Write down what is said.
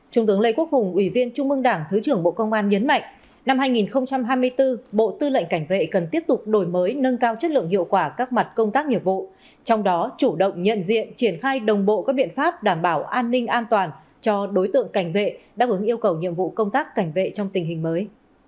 trung tướng lê quốc hùng ủy viên trung mương đảng thứ trưởng bộ công an nhấn mạnh năm hai nghìn hai mươi bốn bộ tư lệnh cảnh vệ cần tiếp tục đổi mới nâng cao chất lượng hiệu quả các mặt công tác nghiệp vụ trong đó chủ động nhận diện triển khai đồng bộ các biện pháp đảm bảo an ninh an toàn cho đối tượng cảnh vệ đáp ứng yêu cầu nhiệm vụ công tác cảnh vệ trong tình hình mới